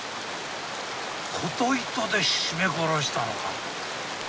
琴糸で絞め殺したのか？